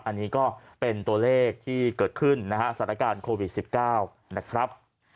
อันนี้ก็เป็นตัวเลขที่เกิดขึ้นนะฮะสถานการณ์โควิด๑๙นะครับ